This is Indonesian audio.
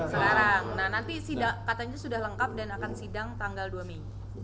sekarang nanti katanya sudah lengkap dan akan sidang tanggal dua mei